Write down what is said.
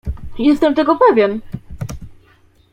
"Jestem tego pewien!"